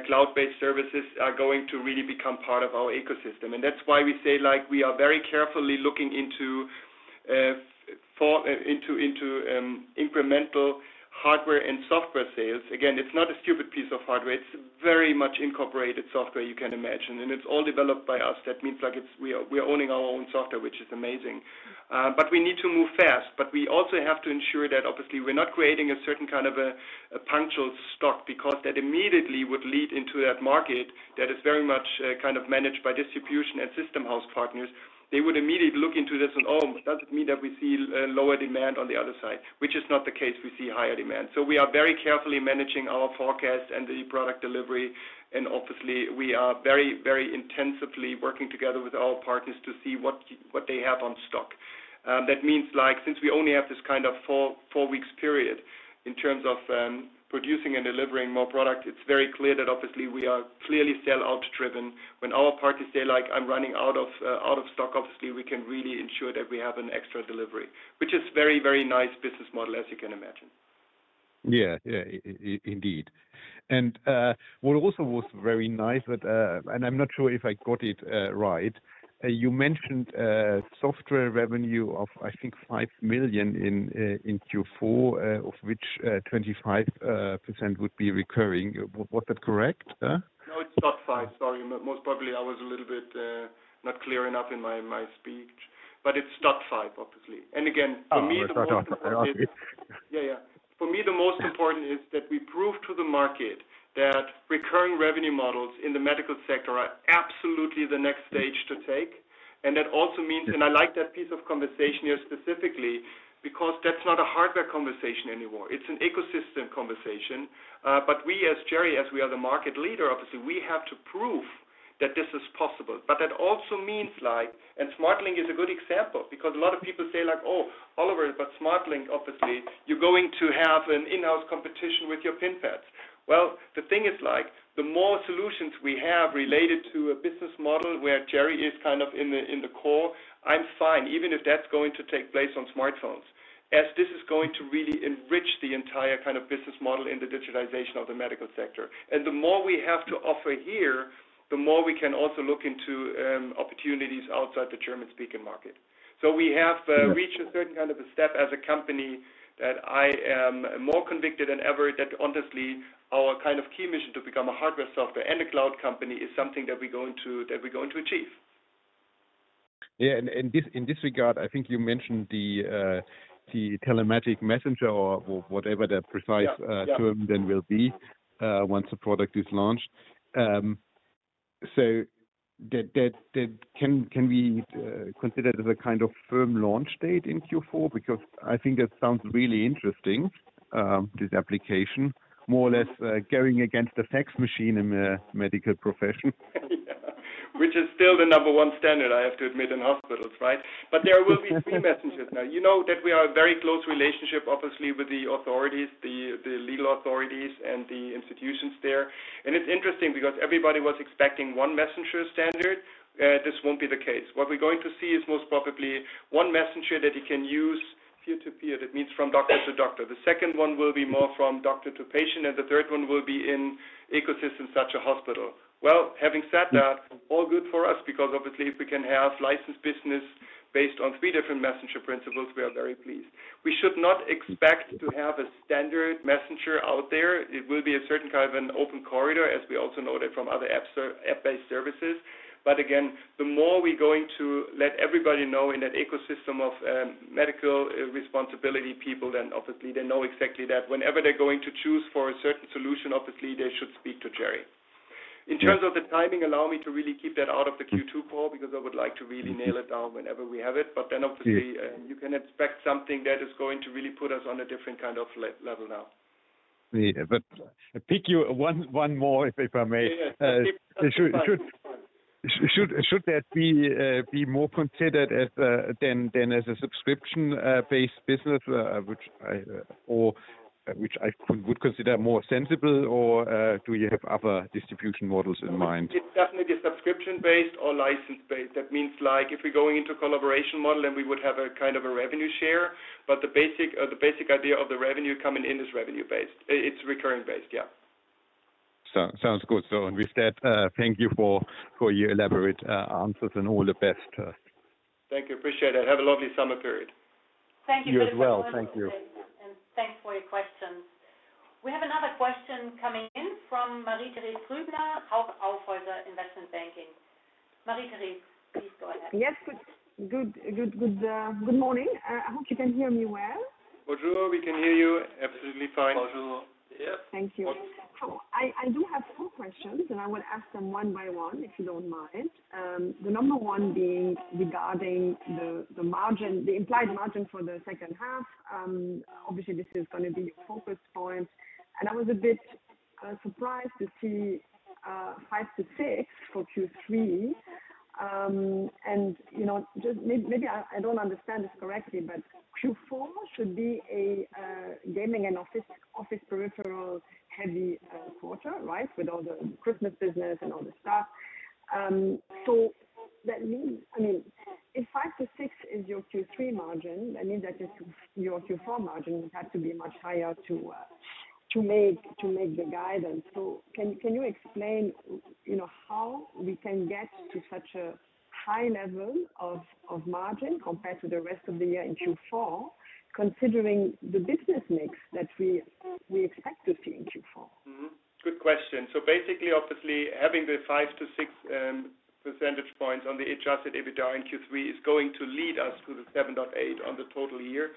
cloud-based services are going to really become part of our ecosystem. And that's why we say, like, we are very carefully looking into incremental hardware and software sales. Again, it's not a stupid piece of hardware, it's very much incorporated software, you can imagine. And it's all developed by us, that means, like, it's we are owning our own software, which is amazing. But we need to move fast. But we also have to ensure that obviously we're not creating a certain kind of a punctual stock, because that immediately would lead into that market that is very much kind of managed by distribution and system house partners. They would immediately look into this and, "Oh, does it mean that we see lower demand on the other side?" Which is not the case, we see higher demand. We are very carefully managing our forecast and the product delivery, and obviously, we are very, very intensively working together with our partners to see what they have on stock. That means, like, since we only have this kind of four weeks period in terms of producing and delivering more product, it's very clear that obviously we are clearly sell-out driven. When our partners say, like, "I'm running out of stock," obviously, we can really ensure that we have an extra delivery, which is very, very nice business model, as you can imagine. Yeah. Yeah, indeed. What also was very nice, but, and I'm not sure if I got it right. You mentioned software revenue of, I think, 5 million in Q4, of which 25% would be recurring. Was that correct? No, it's 0.5. Sorry, most probably, I was a little bit not clear enough in my speech, but it's 0.5, obviously. Again, for me, the most important- Oh, 0.5, okay. Yeah, yeah. For me, the most important is that we prove to the market that recurring revenue models in the medical sector are absolutely the next stage to take. And that also means- I like that piece of conversation here specifically, because that's not a hardware conversation anymore. It's an ecosystem conversation. But we, as Cherry, as we are the market leader, obviously, we have to prove that this is possible. But that also means like... And SmartLink is a good example because a lot of people say, like, "Oh, Oliver, but SmartLink, obviously, you're going to have an in-house competition with your PIN pads." Well, the thing is like, the more solutions we have related to a business model where Cherry is kind of in the, in the core, I'm fine, even if that's going to take place on smartphones, as this is going to really enrich the entire kind of business model in the digitization of the medical sector. The more we have to offer here, the more we can also look into opportunities outside the German-speaking market. So we have reached a certain kind of a step as a company, that I am more convicted than ever, that honestly, our kind of key mission to become a hardware, software, and a cloud company, is something that we're going to, that we're going to achieve. Yeah, and in this regard, I think you mentioned the Telematics Messenger or whatever the precise term then will be once the product is launched. So that can we consider it as a kind of firm launch date in Q4? Because I think that sounds really interesting, this application, more or less going against the fax machine in the medical profession. Which is still the number one standard I have to admit, in hospitals, right? But there will be three messengers. Now, you know that we are a very close relationship, obviously, with the authorities, the legal authorities, and the institutions there. And it's interesting because everybody was expecting one messenger standard, this won't be the case. What we're going to see is most probably one messenger that you can use peer-to-peer, that means from doctor to doctor. The second one will be more from doctor to patient, and the third one will be in ecosystems, such as hospital. Well, having said that, all good for us, because obviously, if we can have licensed business based on three different messenger principles, we are very pleased. We should not expect to have a standard messenger out there. It will be a certain kind of an open corridor, as we also know that from other app-based services. But again, the more we're going to let everybody know in that ecosystem of medical responsibility people, then obviously they know exactly that. Whenever they're going to choose for a certain solution, obviously, they should speak to Cherry. Yeah. In terms of the timing, allow me to really keep that out of the Q2 call, because I would like to really nail it down whenever we have it. But then, obviously, you can expect something that is going to really put us on a different kind of level now. Yeah, but I pick you one more, if I may. Yeah. Have fun. Should that be more considered as than as a subscription-based business, which I would consider more sensible, or do you have other distribution models in mind? It's definitely a subscription-based or license-based. That means like, if we're going into collaboration model, then we would have a kind of a revenue share. But the basic, the basic idea of the revenue coming in is revenue-based. It's recurring based, yeah. Sounds good. So with that, thank you for your elaborate answers, and all the best. Thank you. Appreciate it. Have a lovely summer period. Thank you very much. You as well. Thank you. Thanks for your questions. We have another question coming in from Marie-Thérèse Rübner, Hauck Aufhäuser Investment Banking. Marie-Thérèse, please go ahead. Yes, good, good, good, good morning. I hope you can hear me well. Bonjour, we can hear you absolutely fine. Bonjour. Yep. Thank you. So I do have 4 questions, and I will ask them one by one, if you don't mind. The number 1 being regarding the margin, the implied margin for the second half. Obviously, this is gonna be a focus point, and I was a bit surprised to see 5%-6% for Q3. You know, just maybe I don't understand this correctly, but Q4 should be a Gaming and Office Peripherals heavy quarter, right? With all the Christmas business and all the stuff. So that means... I mean, if 5%-6% is your Q3 margin, that means that your Q4 margin has to be much higher to make the guidance. Can you explain, you know, how we can get to such a high level of margin compared to the rest of the year in Q4, considering the business mix that we expect to see in Q4? Mm-hmm. Good question. So basically, obviously, having the 5-6 percentage points on the Adjusted EBITDA in Q3 is going to lead us to the 7.8 on the total year.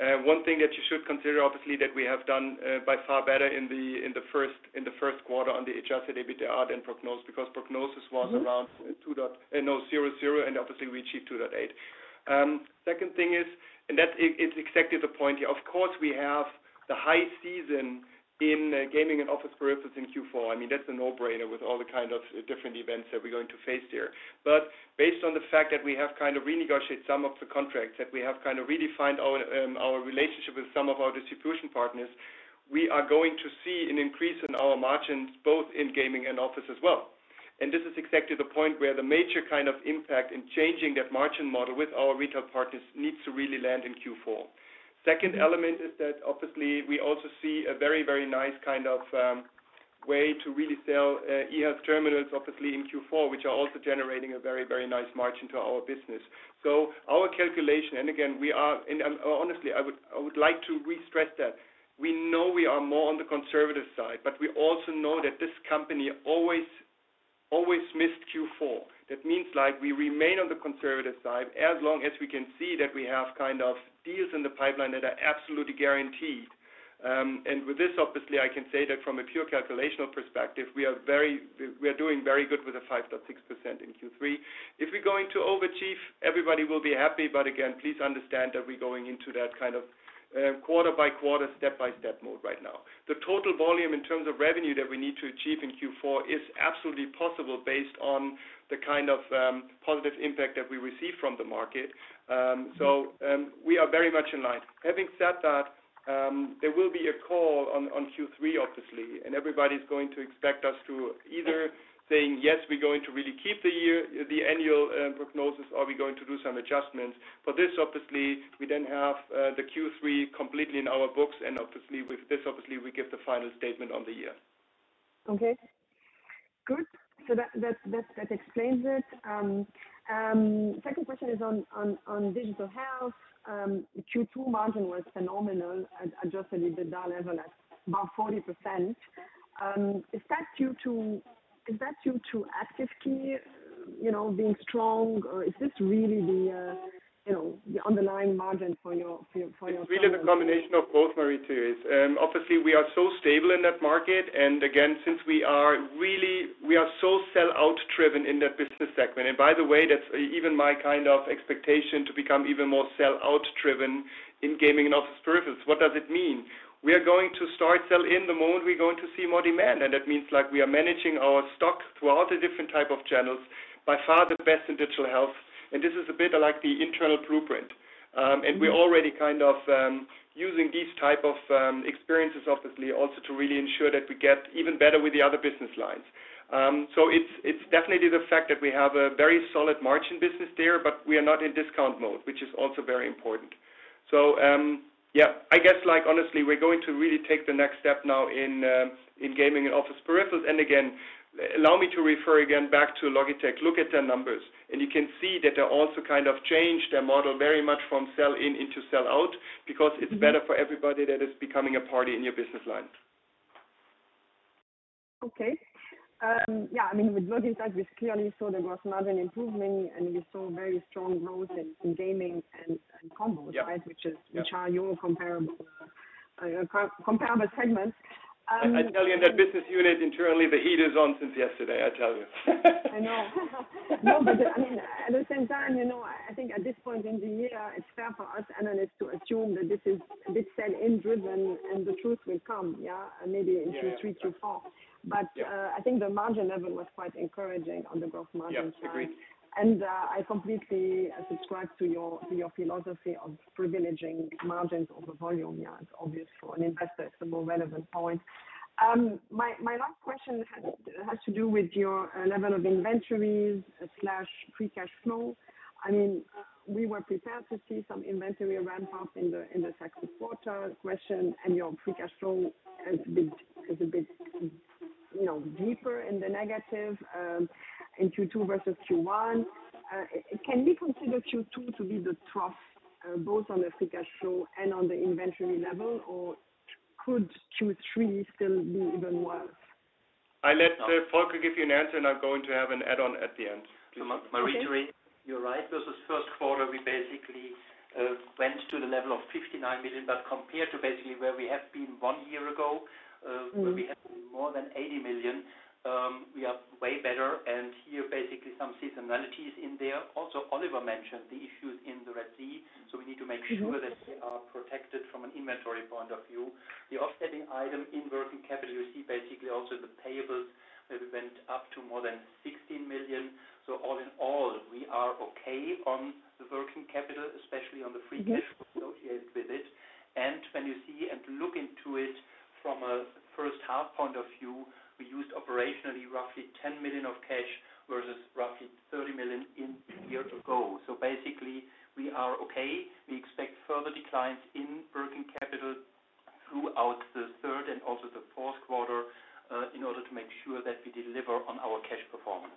One thing that you should consider, obviously, that we have done by far better in the first quarter on the Adjusted EBITDA than prognosed, because prognosis was around 2.00, and obviously we achieved 2.8. Second thing is, it's exactly the point here. Of course, we have the high season in Gaming and Office Peripherals in Q4. I mean, that's a no-brainer with all the kind of different events that we're going to face there. But based on the fact that we have kind of renegotiated some of the contracts, that we have kind of redefined our relationship with some of our distribution partners, we are going to see an increase in our margins, both in gaming and office as well. And this is exactly the point where the major kind of impact in changing that margin model with our retail partners needs to really land in Q4. Second element is that obviously, we also see a very, very nice kind of way to really sell eHealth terminals, obviously in Q4, which are also generating a very, very nice margin to our business. So our calculation, and again, we are and, honestly, I would, I would like to re-stress that, we know we are more on the conservative side, but we also know that this company always, always missed Q4. That means like, we remain on the conservative side, as long as we can see that we have kind of deals in the pipeline that are absolutely guaranteed. And with this, obviously, I can say that from a pure calculational perspective, we are we are doing very good with a 5.6% in Q3. If we're going to overachieve, everybody will be happy. But again, please understand that we're going into that kind of, quarter by quarter, step-by-step mode right now. The total volume in terms of revenue that we need to achieve in Q4 is absolutely possible, based on the kind of, positive impact that we receive from the market. So, we are very much in line. Having said that, there will be a call on Q3, obviously, and everybody's going to expect us to either saying, "Yes, we're going to really keep the year, the annual, prognosis, or we're going to do some adjustments." For this, obviously, we then have the Q3 completely in our books, and obviously, with this, obviously, we give the final statement on the year. Okay. Good. So that explains it. Second question is on Digital Health. Q2 margin was phenomenal, Adjusted EBITDA level at about 40%. Is that due to Active Key?... you know, being strong or is this really the underlying margin for your, for your- It's really the combination of both, Marie-Thérèse. Obviously, we are so stable in that market, and again, since we are so sell-through driven in that business segment, and by the way, that's even my kind of expectation to become even more sell-through driven in Gaming and Office Peripherals. What does it mean? We are going to start sell-in the more we're going to see more demand, and that means like we are managing our stock throughout the different type of channels, by far the best in Digital Health. And this is a bit like the internal blueprint. And we're already kind of using these type of experiences obviously, also to really ensure that we get even better with the other business lines. So it's definitely the fact that we have a very solid margin business there, but we are not in discount mode, which is also very important. So, yeah, I guess, like, honestly, we're going to really take the next step now in, in Gaming and Office Peripherals. Again, allow me to refer again back to Logitech. Look at their numbers, and you can see that they also kind of changed their model very much from sell-in into sell-out, because it's better for everybody that is becoming a party in your business line. Okay. Yeah, I mean, with Logitech, we clearly saw there was another improvement, and we saw very strong growth in gaming and combos, right? Which are your comparable segments? I tell you, in that business unit, internally, the heat is on since yesterday, I tell you. I know. No, but, I mean, at the same time, you know, I think at this point in the year, it's fair for us analysts to assume that this is a bit sell-in driven, and the truth will come, yeah, maybe in Q3, Q4. Yeah. I think the margin level was quite encouraging on the growth margin side. Yeah, agreed. I completely subscribe to your philosophy of privileging margins over volume. Yeah, it's obvious for an investor, it's the more relevant point. My last question has to do with your level of inventories slash free cash flow. I mean, we were prepared to see some inventory ramp up in the second quarter, and your free cash flow has been, is a bit, you know, deeper in the negative in Q2 versus Q1. Can we consider Q2 to be the trough both on the free cash flow and on the inventory level, or could Q3 still be even worse? I'll let Volker give you an answer, and I'm going to have an add-on at the end. So Marie-Thérèse you're right, this is first quarter. We basically went to the level of 59 million, but compared to basically where we have been one year ago where we had more than 80 million, we are way better. Here, basically some seasonality is in there. Also, Oliver mentioned the issues in the Red Sea, so we need to make sure that we are protected from an inventory point of view. The offsetting item in working capital, you see basically also the payables, where we went up to more than 16 million. So all in all, we are okay on the working capital, especially on the free cash associated with it. When you see and look into it from a first half point of view, we used operationally, roughly 10 million of cash, versus roughly 30 million a year ago. So basically, we are okay. We expect further declines in working capital throughout the third and also the fourth quarter, in order to make sure that we deliver on our cash performance.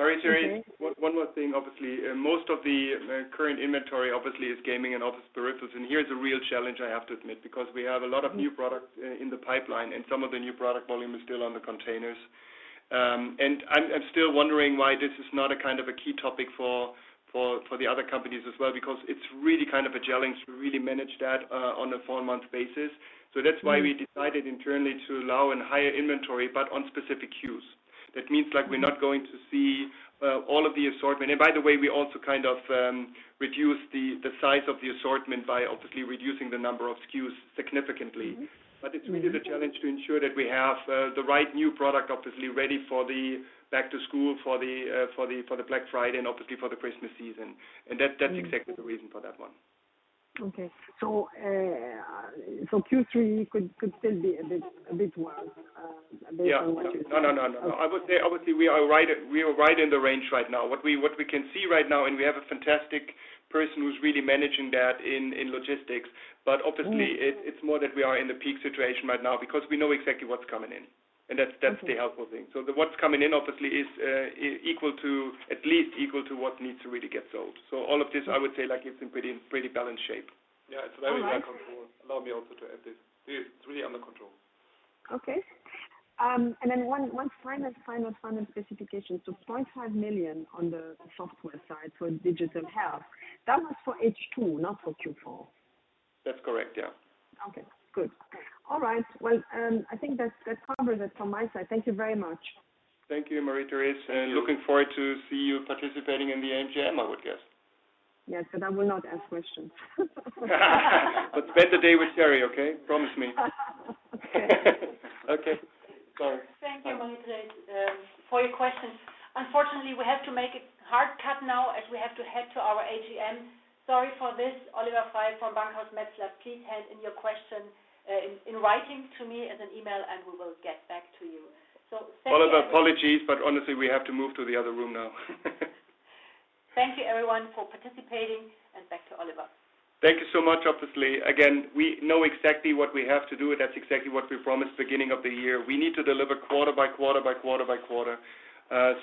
Marie-Therese one more thing, obviously, most of the current inventory obviously is Gaming and Office Peripherals, and here's a real challenge I have to admit, because we have a lot of new products in the pipeline, and some of the new product volume is still on the containers. And I'm still wondering why this is not a kind of a key topic for the other companies as well, because it's really kind of a challenge to really manage that on a four-month basis. So that's why we decided internally to allow a higher inventory, but on specific SKUs. That means, like, we're not going to see all of the assortment. And by the way, we also kind of reduced the size of the assortment by obviously reducing the number of SKUs significantly. But it's really the challenge to ensure that we have the right new product, obviously ready for the back to school, for the Black Friday, and obviously for the Christmas season. That, that's exactly the reason for that one. Okay. So, Q3 could still be a bit worse. Yeah. - based on what you say? No, no, no, no. I would say, obviously, we are right in the range right now. What we can see right now, and we have a fantastic person who's really managing that in logistics. But obviously, it's more that we are in the peak situation right now because we know exactly what's coming in, and that's the helpful thing. So what's coming in obviously is equal to, at least equal to what needs to really get sold. So all of this, I would say, like, it's in pretty balanced shape. Yeah, it's very under control. Allow me also to add this. It's really under control. Okay. And then one final specification. So 0.5 million on the software side for digital health. That was for H2, not for Q4? That's correct. Yeah. Okay, good. All right, well, I think that's, that covers it from my side. Thank you very much. Thank you, Marie-Thérèse, looking forward to see you participating in the AGM, I would guess. Yes, but I will not ask questions. But spend the day with Cherry, okay? Promise me. Okay. Okay. Bye. Thank you, Marie-Thérèse, for your questions. Unfortunately, we have to make a hard cut now, as we have to head to our AGM. Sorry for this, Oliver Pfeil from Bankhaus Metzler. Please send in your question in writing to me as an email, and we will get back to you. So thank you- All of our apologies, but honestly, we have to move to the other room now. Thank you, everyone, for participating, and back to Oliver. Thank you so much. Obviously, again, we know exactly what we have to do, that's exactly what we promised beginning of the year. We need to deliver quarter by quarter, by quarter by quarter.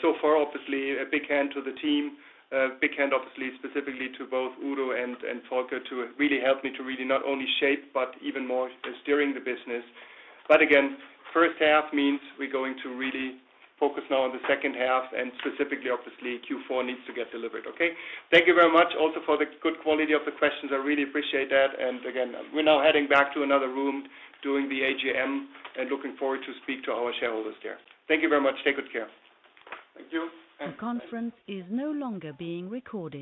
So far, obviously, a big hand to the team, a big hand, obviously, specifically to both Udo and Volker, to really help me to really not only shape, but even more steering the business. But again, first half means we're going to really focus now on the second half, and specifically, obviously, Q4 needs to get delivered. Okay? Thank you very much also for the good quality of the questions, I really appreciate that. And again, we're now heading back to another room, doing the AGM, and looking forward to speak to our shareholders there. Thank you very much. Take good care. Thank you and- The conference is no longer being recorded.